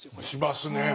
しますね。